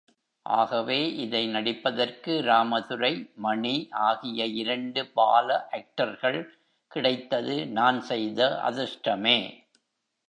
ஆகவே, இதை நடிப்பதற்கு ராமதுரை, மணி ஆகிய இரண்டு பால ஆக்டர்கள் கிடைத்தது நான் செய்த அதிர்ஷ்டமே.